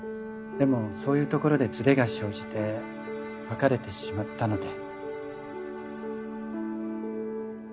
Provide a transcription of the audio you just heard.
でもそういうところでずれが生じて別れてしまったので。